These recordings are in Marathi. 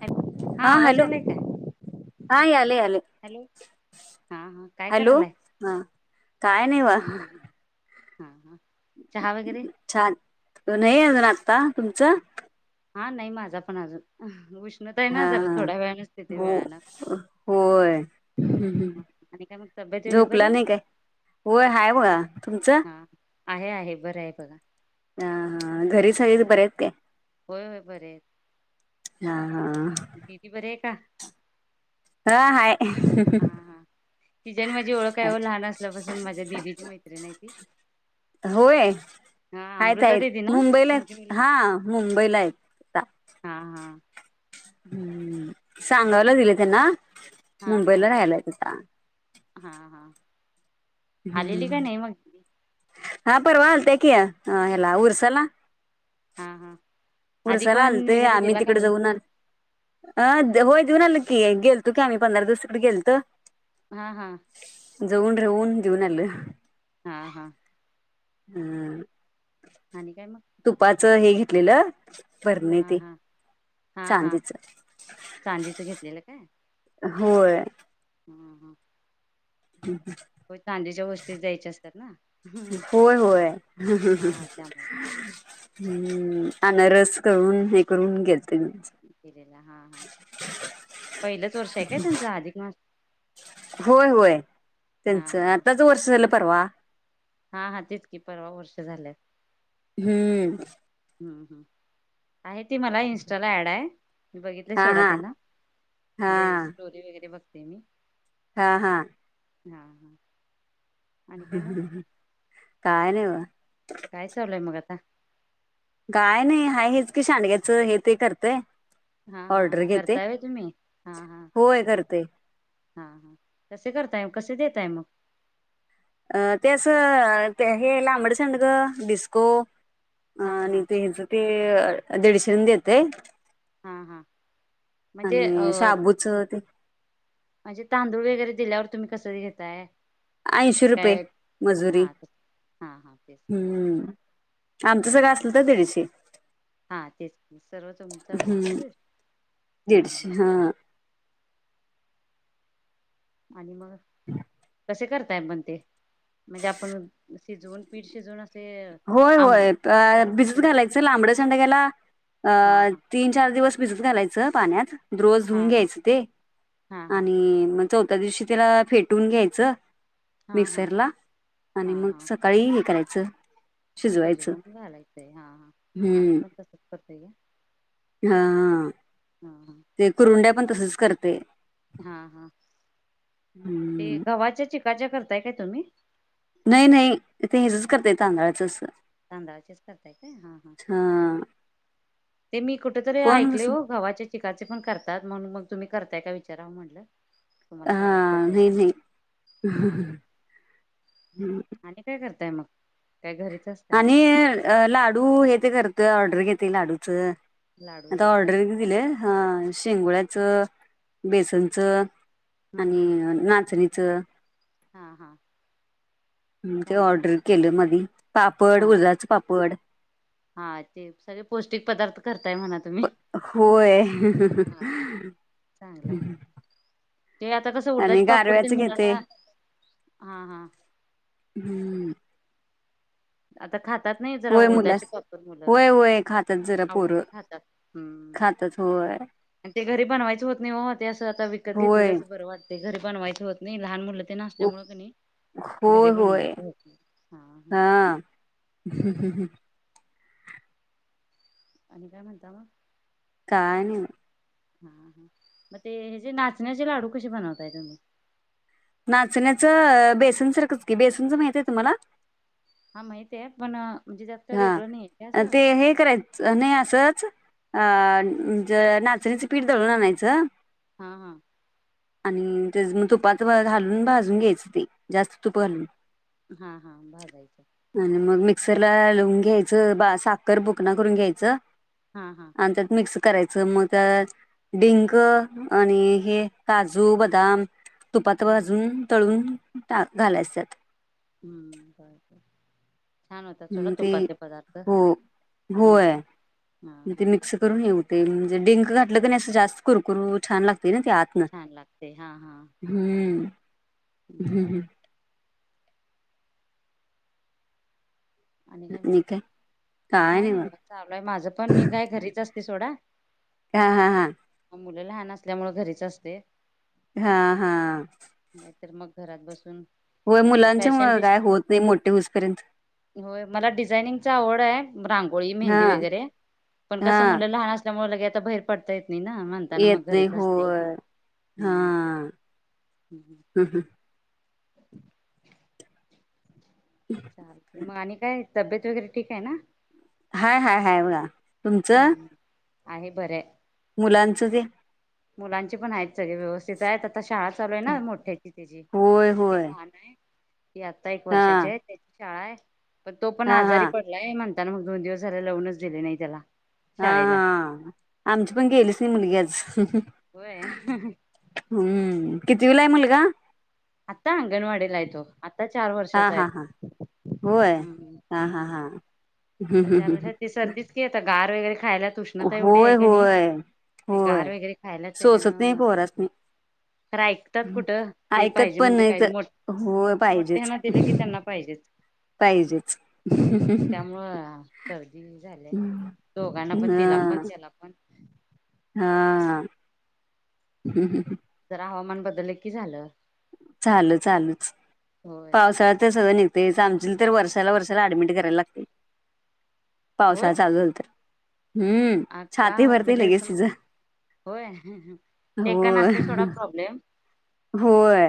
हॅलो, हा आवाज येतोय काय? हा यालय, यालय. हॅलो हा हा काय हॅलो, करायलाय हा काय नाही वा. हा. चहा वगैरे [inaudible] छान [inaudible] नाही अजून. आता तुमचं? हा नाही माझा पण अजून उष्णता आहे हा, ना जरा हा, थोड्या वेळानच तिथे हो, वेळानं होय. हम्म, हम् आणि काय मग तब्येत वगैरे झोपला बरे नाही काय? वय हाय बघा तुमचं? हा आहे, आहे बरं आहे बघा. हा, हा घरी सगळी बरी आहेत काय? होय, होय, बरे आहेत. हा, हा. हम्. ह, हाय. हा हा तिची आणि माझी ओळख काय ओ लहान असल्यापासून माझ्या दिदीची मैत्रीण हाय ती. होय. हा आहेत, अमृता आहेत दिदी ना मुंबईला तुमची मुलगी हा मुंबईला आहेत अता. [inaudible] हम्म सांगावला दिले त्यांना, हा हा मुंबईला राहा यला आहेत आता. हा, हा आलेली आता काय नाही मग? हा पर्वा आलत्या कि ह हेला ऊरसाला. हा हा अधिक ऊरसाला वाहन आलते वगैरे आम्ही दिला का तिकड नाही जाऊन आल अ दे होय जे ऊन आलो की गेलतो की आम्ही पंधरा दिवस तीकड गेलतो. हा, हा. जाऊन, राहून, घेऊन आलो. हा, हा. हा. आनी काय मग? च हे घेतलेलं बरणी हा ते. हा हा हा चांदीच चांदीच घेतलेलं काय? होय. हा हा ह. हो चांदीच्या गोष्टीच द्यायच्या असतात ना [inaudible] हम्म. होय, होय. हा त्यामुळे हम्म, अनरस करून हे करून घ्यायच. [inaudible] पहिलंच वर्ष आहे काय त्यांचं आधिक मास. होय, होय हा त्यांचं हा आताच वर्ष झालं परवा. हा हा तितकी परवा वर्ष झाल्यात. हम्म. ह, ह आहे ती मला इन्स्टाला ऍड आहे. मी बघितले हा सोडा हा तेंना हा म्हनजे स्टोरी वगैरे बघते मी. हा, हा. हा. आणि काय मग काय नाही बघा. काय चालू हाय मग आता? काय नाही हाय हेच, की सांडग्याचं हे ते करतोय. हा हा करताय व्हय तुम्ही हा हा. होय करते हा हा कसे करताय कसे देेताय मग अ ते असं ते हे लांबड सांडग, डिस्को अ हा आणि हा ते ह्याच ते दीडशेला देतोय. हा हा म्हणजे आणि अं. शाबूच ते म्हणजे तांदूळ वगैरे दिल्यावर तुम्ही कस घेताय? ऐंशी रुपये काय मजुरी हा हा हा तेच हम्म. आमचं सगळं असल तर दीडशे हा तेच की सर्व तुमचं असेल, तर हम्म दीडशे हा हा. आणि मग ह कसे करताय पण ते म्हणजे आपण शिजवून पीठ शिजवून? असे होय आंब होय चार पाच भिजत दिवस घालायचं लांबड्या सांडग्याला हा अ हा तीन चार दिवस भिजत घालायचं पाण्यात द्रोज हा धुऊून हा घ्यायचं ते हा हा आणि मग चौथी त्या दिवशी त्याला फेटून घ्यायचं, हा हा मिक्सरला हा आणि मग हा सकाळी हे करायचं च शिजवून घालायचंय हा हा आम्ही हम्म पण तसच करतोय ग हा ते कुरुंड्या पण तसच करतोय. हा हा ते हम्म गव्हाच्या चिकाच्या करताय काय तुम्ही? नाही नाही ते हेचच करतोय तांदळाचं अस तांदळाचेच करतायेत व्हय हा हा. ते मी कुठ तरी कोण ऐकलय कसं हो गव्हाच्या चिकाचे पण करतात म्ह म्हणुन मग तुम्ही करताय का? विचाराव म्हटलं तुम्हाला करायला तर हा जाय नाही हा हा नाही. आणि करताय काय मग? काय घरीच असताय आणि लाडू हे ते करते ऑर्डर घेते लाडूचं लाडू आता वगैरे ऑर्डर करताय का दिलेय हा शेंगोळ्याचं, बेसनचं हम्म आणि हम्म नाचणीचं हा हा. ते चांगलं ऑर्डर आहे. केलं मधी पापड हा उडदाच पापड हा ते सगळे पौष्टिक पदार्थ करता. होय. हा हा चांगलंय ते आता कसं आणि उडदाचे पापड गारव्याच तेन घेते मुलांना हा हा. आता खातात नाही जरा होय मुला उडदाचे पापड मुलं. होय होय खातात जरा आवडीने खातात हम्म. व्हय. आणि ते घरी बनवायचं होत नाही, वो ते असं आता विकत घेतलेलं होय अस बरं वाटतय, घरी बनवायचं होत नाही लहान मुलं तेन उ- असल्यामुळे कणी घरी होय होय बनवायचं होत नाही हां. हम हम हम आणि काय म्हणता म? काय नाही. हा हा मग ते ह जे नाचण्याचे लाडू कसे बनवताय तुम्ही? नाचण्याचं, बेसन सारखंच की बेसनच माहित आहे तुम्हाला? हा माहितेय पण अ. हा ते हे करायचं नाही, असच अ म्हणज नाचणीचं पीठ दळून आणायचं, हा हा आणि तेच मग तुपात घालून भाजून घ्यायचं ती, जास्त तुप घालून. हा हा भाजायचं. त्याला [inaudible] घ्यायचं बा साकर बुकना करून घ्यायचं हा हा आण त्यातं मिक्स क करायचं, मग त्या डिंक आणि हे काजू, बदाम तुपात हम्म हम्म भाजून, तळून टा घालायचं त्यात. हम्म बरबर. छान होतात सोडा मग ते तुपातले पदार्थ. हो हो. होय हा ते मिक्स करून हे होतंय म्हणजे डिंक घातलं क नाही असं, जास्त कुरुकुरु छान लाग त ना ते आतन, छान लागते हम्म. हम हम हम्म आणि काय मग? काय नाही बघा चालूय माझं पण, मी काय घरीच अस ते सोडा हा हा हा मुलं लहान असल्यामुळं घरीच असते. हा हा. नाही तर मग घरात बसून होय काहीतरी मुलांच्या फॅशन मुळं डिस काय होत नाही मोठे होऊसपर्यंत. होय मला डिझाइनिंगच आवडंय. रांगोळी, हा मेहंदी वगैरे, पण हा कसं मुलं लहान असल्यामुळे लगे आता बाहेर पडता येत नाही ना म्हणताना येत मग नाही. घरीच असते होय, हा हम्म हम् हम्म [unintelligible] चालते मग आणि काय तब्येत वगैरे ठीक आहे न? हाय हाय हाय बघा. तुमचं? हम्म. आहे बरंय. मुलांचं ते? मुलांचे पण आहेत, सगळे व्यवस्थित आहेत. ता आता शाळा चालू आहे ना, मोठ्याची त्याची होय ते होय [unintelligible] ती आता एक हा वर्षाची आहे त्याची शाळा आहे, पण तो पण हा हा आजारी पडलाय म्हण ताना मग दोन दिवस झालं लावूनच दिले नाही त्याला हा शाळेला हा, आमची पण गेलीच नाही मुलगी आज. होय हम्म, कितविलाय मुलगा? आता अंगणवाडिलाय तो. आता चार हा वर्षाचा हा आहे हा, होय, हम्म हा हा हम्म हा. हम्म हम्म चार हम्म [unintelligible] सर्दीच की आता गार वगैरे. [unintelligible] उष्णता एवढी आहे होय का नाही, होय ते होय गार वगैरे खायला सोचत त्याच्यानं नाही सर्दी पोरासनी तर ऐकतात कुठं ते ऐकत पाहिजे पण म्हणजे नाही पाहिजे तर मोठ् होय पाहिजेच मोठ्यांना दिलं की त्यांना पाहिजेच. पाहिजेच. हम्म त्यामुळं सर्दी झाले दोघांना पण हा तिला पण त्याला पण. हा हम् हम जरा हवामान बदलंल की झालं. चाल चालूच होय पावसाळ्यात तसचं आणि तेच आमचीला तर वर्षाला वर्षाला ऍडमिट करायला लागतंय पावसाळा होय चालू झालं तर हम्म आता छाती भरतंय म्हणजे लगेच सम तीज होय एका ना असतोय सोडा प्रॉब्लेम होय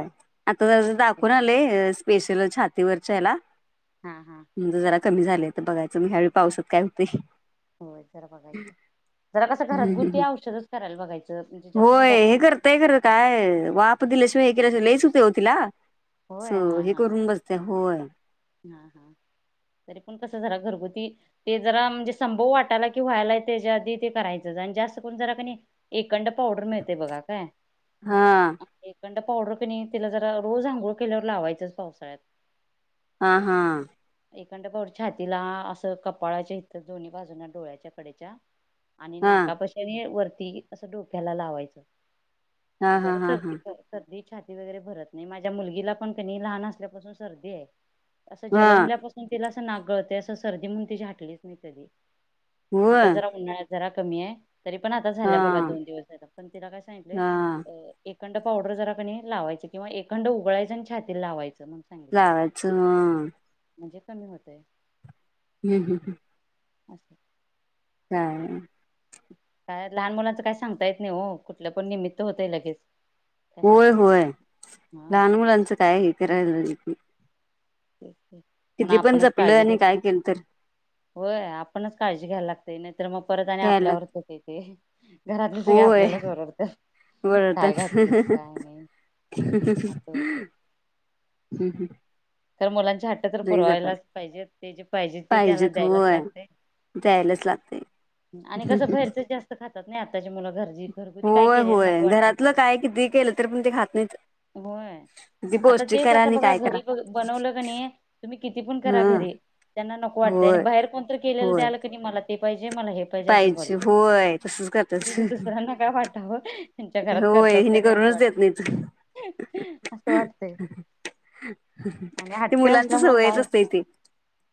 आता जरासं दाखवून अं आलोय स्पेशल छातीवरच्या ह्याला हा हा म्हणजे जरा कमी झालंय आता बघायचं मग ह्यावेळी पावसात काय हूतय. होय जरा बघायचं. जरा कसं हम्म घरातगुरती हम्म. औषधच करायला बघाचं म्हणजे जं डॉक्टरां मा वाप दिल्याशिवय हे केल्याशिव लईच हूतय ओ तिला होय असं हा हे हा करुन बसत्या होय. हा. हा. तरी पण कसं जरा घरगुती ते जरा म्हणजे संभव वाटायला कि व्हायला त्याच्या आधी ते करायचं जरा. जास्त करून जरा कणी एकंड पावडर मिळतय बगा काय हा एकंड [inaudible] पावडर कनी तिला जरा रोज आंघोळ केल्यावर लावायचंच पावसाळ्यात आहा. एकखड बर छातीला असं कपाळाच्या इथ दोन्ही बाजूना डोळ्याच्या कडेच्या. आणि हा नाकापशी आणि वरती असं डोक्याला लावायचं. हा हा जरा हा हा सर्ती कर कर छाती वगैरे भरत नाही, माझ्या मुलगीला पण कणी लहान असल्यापासून सर्दी हाय. असं हा जलमल्यापासून तिला असं नाक गळतय असं सर्दी म्हणून तीजी हाटलीच नाही कधी. आता होय जरा उन्हाळ्यात जरा कमीय तरी पण आता हा झाल्या बघा दोन दिवस झालं पण तिला काय सांगितलंय हा अं एक खंड पावडर जरा कणी लावायच किंवा‌ एकंड उगळायचं आणि छातीला लावायंच लावायच ह. म्हणजे कमी होतय. हम्म हम् हम् असच. हम [inaudible] काय लहान मुलांचं काय सांगता येत नाय ओ कुठलं पण निमित्त होतय लगेच. होय कशाचं पण होय लहान हा मुलांचं काय हे कराय. च् [inaudible] किती पण जपलं आणि काय केल तर. होय आपणच काळजी घ्यायला लागतय नाहीतर मग परत आणि घ्यायला आपल्यावरच येतंय ते. घरातले सगळे होय आपल्यालाच ओरडतात बरं काय घातलीस तर. काय नाही असं होतय हम् हम् तर मुलांची झाट तर पुरवायलाच पाहिजे ते जे पाहिजे ते त्याला पाहिजेत द्यायलाच होय लागतय द्यायलाच लागतय आणि कसं बाहेरचच जास्त खात होय होय नको वाटते घरातलं त्यांना काय किती केलं तर पण ते खात नाहीत. होय किती आता पौष्टिक तेच करा आता आणि बघा काय करा घरी बग बनवलं कणी तुम्ही किती पण करा हा घरी. त्यांना नको वाटतंय आणि होय बाहेर कोणतरी केलेलं होय द्याला कणी मला ते पाहिजे मला हे पाहिजे असं होय तसच करतात बोलतय दुसऱ्यांना काय वाटावं त्यांच्या घरात होय करतात का हिने नाही, असं करूनच वाटत देत नाहीत आसं वाटतंय. आणि ते हट्टी मुलांच असल्यामुळे सवयच काय असते इथे.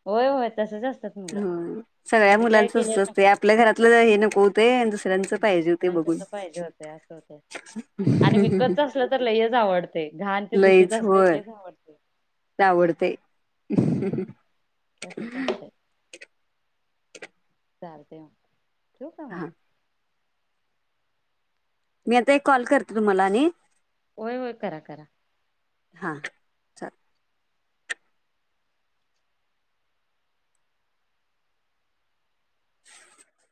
होय होय तसच असतात मुलं हो सगळ्या घरी काय मुलांचत केलेलं असते नको आपल्या घरातलं हे नको ते दुसऱ्यांच पाहिजे हो ते बघून ते असत होते. आणि विकतच असलं तर लयच आवडते घाण ते दूषित असते कीच आवडते आवडतय. हम्म तसच चालतंय मग ठेऊ का मग. हा मी आता एक कॉल करते तुम्हाला आणि होय होय करा करा हा चाल. [unintelligible]